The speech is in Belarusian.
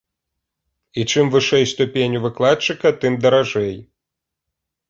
І чым вышэй ступень у выкладчыка, тым даражэй.